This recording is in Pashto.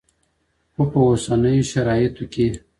خو په اوسنیو شرایطو کي